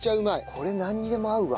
これなんにでも合うわ。